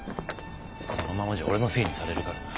このままじゃ俺のせいにされるからな。